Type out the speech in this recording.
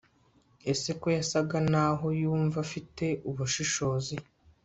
Ese ko yasaga naho yumva afite ubushishozi